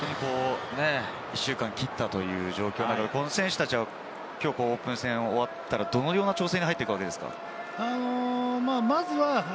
一週間を切ったという状況で、選手たちはオープン戦が終わったらどういう調整に入っていくわけですか？